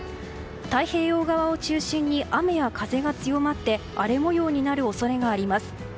太平洋側を中心に雨や風が強まって荒れ模様になる恐れがあります。